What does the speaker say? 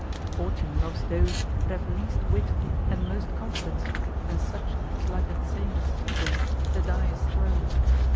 Fortune loves those that have least wit and most confidence and such as like that saying of Caesar, "The die is thrown."